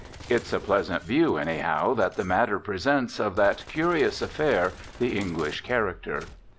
It's a pleasant view anyhow that the matter presents of that curious affair the English character.